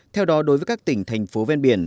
theo đó đối với các tỉnh thành phố ven biển